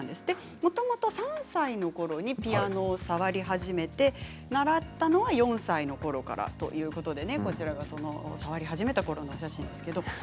もともと３歳のころにピアノを触り始めて習ったのは４歳のころからということでこちらが触り始めたころのお写真です。